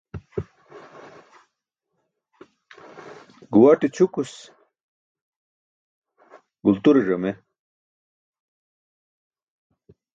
Guuwaṭe ćʰukus, gulture ẓame